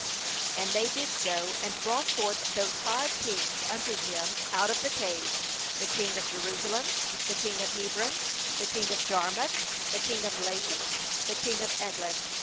MAnd they did so, and brought forth those five kings unto hi™ out of the cave, the king of Jerusalem, the king of Hebron, the king of Jarmuth, the king of Lachish, the long of Eglon.